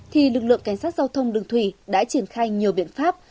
thì lực lượng cảnh sát giao thông đường thủy đã triển khai nhiều biện pháp